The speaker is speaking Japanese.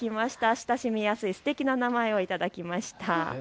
親しみやすいすてきな名前を頂きました。